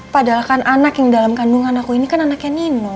padahal kan anak yang dalam kandungan aku ini kan anaknya nino